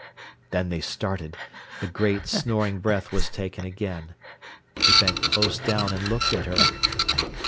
Then they started. The great, snoring breath was taken again. He bent close down and looked at her.